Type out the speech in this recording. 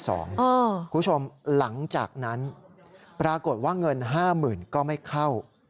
คุณผู้ชมหลังจากนั้นปรากฏว่าเงิน๕๐๐๐ก็ไม่เข้า